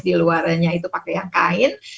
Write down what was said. di luarnya itu pakai yang kain